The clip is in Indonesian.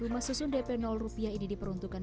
rumah susun dp rupiah ini diperuntukkan